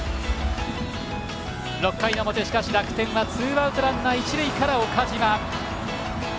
６回の表、しかし、楽天はツーアウト、ランナー、一塁から岡島。